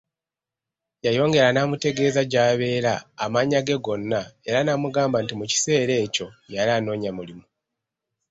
Yayongera n'amutegeeza gy'abeera, amannya ge gonna, era n'amugamba nti mu kiseera ekyo yali anoonya mulimu.